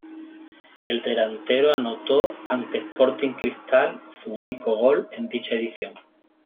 El delantero anotó ante Sporting Cristal su único gol en dicha edición.